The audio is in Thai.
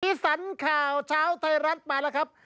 พี่สัญข่าวชาวไทยรัฐไปแล้วครับ